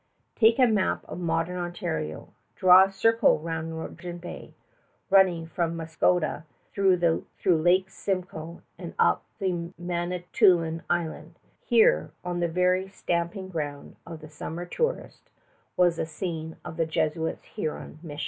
Take a map of modern Ontario. Draw a circle round Georgian Bay, running from Muskoka through Lake Simcoe and up into Manitoulin Island. Here, on the very stamping ground of the summer tourist, was the scene of the Jesuits' Huron mission.